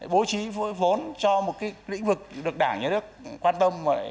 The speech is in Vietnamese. bố trí vốn cho một cái lĩnh vực được đảng nhà nước quan tâm